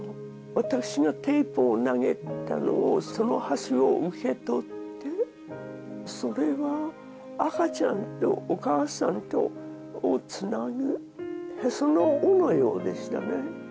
私がテープを投げたのをその端を受け取ってそれは赤ちゃんとお母さんとをつなぐへその緒のようでしたね